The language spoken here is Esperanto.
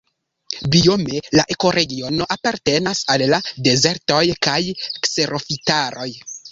Biome la ekoregiono apartenas al la dezertoj kaj kserofitaroj.